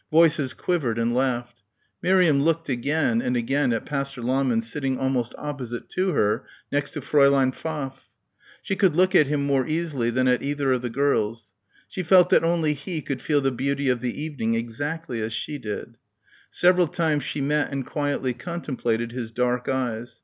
Voices quivered and laughed. Miriam looked again and again at Pastor Lahmann sitting almost opposite to her, next to Fräulein Pfaff. She could look at him more easily than at either of the girls. She felt that only he could feel the beauty of the evening exactly as she did. Several times she met and quietly contemplated his dark eyes.